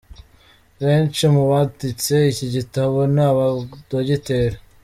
Benshi mu banditse iki gitabo ni abadogiteri.